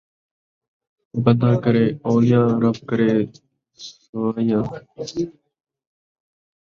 بندہ کرے اوٓلیاں، رب کرے سوٓلیاں